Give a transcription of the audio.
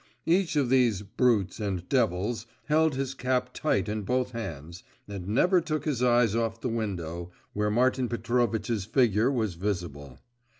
Each of these 'brutes and devils' held his cap tight in both hands, and never took his eyes off the window, where Martin Petrovitch's figure was visible.